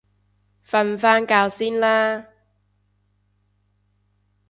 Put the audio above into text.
瞓返覺先啦